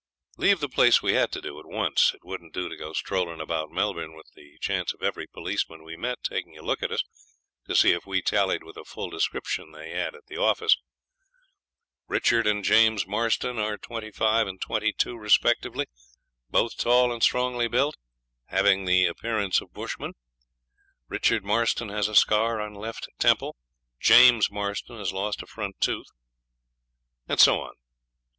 Leave the place we had to do at once. It wouldn't do to be strollin' about Melbourne with the chance of every policeman we met taking a look at us to see if we tallied with a full description they had at the office: 'Richard and James Marston are twenty five and twenty two, respectively; both tall and strongly built; having the appearance of bushmen. Richard Marston has a scar on left temple. James Marston has lost a front tooth,' and so on.